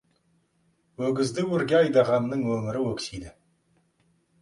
Өгізді өрге айдағанның өмірі өксиді.